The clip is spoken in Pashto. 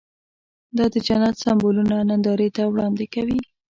دا د جنت سمبولونه نندارې ته وړاندې کوي.